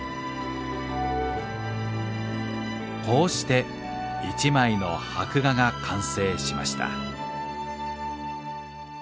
こうして一枚の箔画が完成しました。